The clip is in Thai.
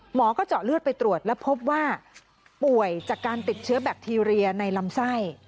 หมอก็เจาะเลือดไปตรวจแล้วพบว่าป่วยจากการติดเชื้อแบคทีเรียในลำไส้